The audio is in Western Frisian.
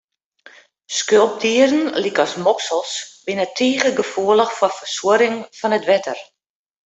Skulpdieren lykas moksels, binne tige gefoelich foar fersuorring fan it wetter.